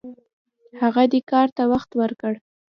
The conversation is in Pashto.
هغه دې کار ته وخت ورکړ.